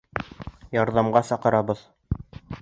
Ярҙамға саҡырабыҙ.